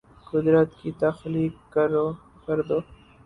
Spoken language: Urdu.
قدرت کی تخلیق کردہ